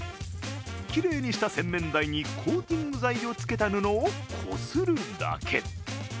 きれいにした洗面台にコーティング剤をつけた布をこするだけ。